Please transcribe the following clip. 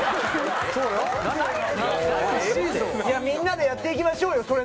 みんなでやっていきましょうよ